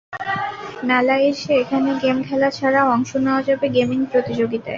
মেলায় এসে এখানে গেম খেলা ছাড়াও অংশ নেওয়া যাবে গেমিং প্রতিযোগিতায়।